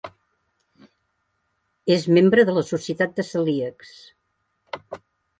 És membre de la Societat de celíacs.